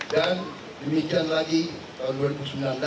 dan demikian lagi tahun dua ribu sembilan belas